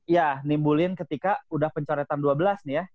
ya nimbulin ketika udah pencoretan dua belas nih ya